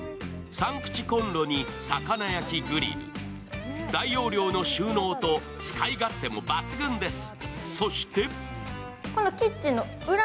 ３口コンロに魚焼きグリル、大容量の収納と使い勝手も抜群です。